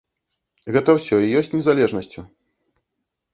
Гэта ўсё і ёсць незалежнасцю.